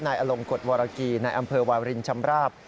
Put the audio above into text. นายอลงกฎวรกีนายอำเภอวาลินชำราบ